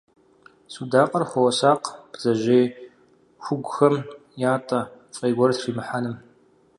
Судакъыр хуосакъ бдзэжьей хугухэм ятӀэ, фӀей гуэр тримыхьэным.